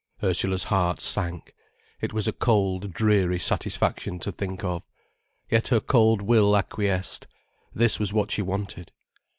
Ursula's heart sank. It was a cold, dreary satisfaction to think of. Yet her cold will acquiesced. This was what she wanted.